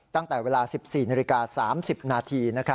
ตั้งแต่เวลา๑๔นาฬิกา๓๐นาที